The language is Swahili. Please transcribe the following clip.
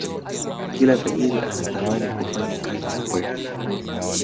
Kila tajiri anatamani kufanya kazi na poep